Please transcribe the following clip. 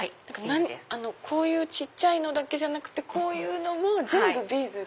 こういう小さいのだけじゃなくてこういうのも全部ビーズ。